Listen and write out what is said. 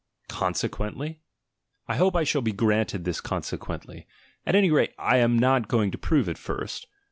"Consequently?" I hope I shall be granted this "consequently"; at any rate, I am not going to prove it first.